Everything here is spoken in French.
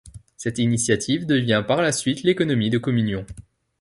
Cette initiative devient par la suite l'économie de communion.